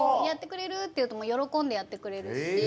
「やってくれる？」っていうとよろこんでやってくれるし。